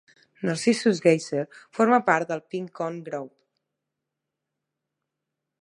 Narcissus Geyser forma part del Pink Cone Group.